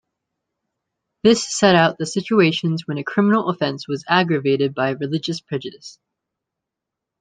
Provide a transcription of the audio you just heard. This set out the situations when a criminal offence was aggravated by religious prejudice.